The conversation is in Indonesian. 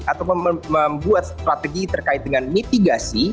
atau membuat strategi terkait dengan mitigasi